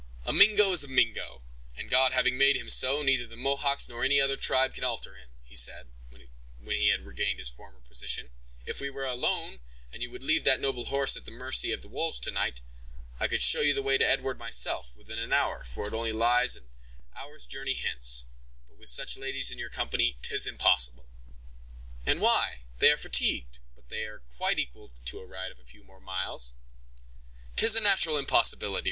"A Mingo is a Mingo, and God having made him so, neither the Mohawks nor any other tribe can alter him," he said, when he had regained his former position. "If we were alone, and you would leave that noble horse at the mercy of the wolves to night, I could show you the way to Edward myself, within an hour, for it lies only about an hour's journey hence; but with such ladies in your company 'tis impossible!" "And why? They are fatigued, but they are quite equal to a ride of a few more miles." "'Tis a natural impossibility!"